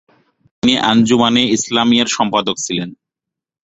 তিনি আঞ্জুমানে ইসলামিয়ার সম্পাদক ছিলেন।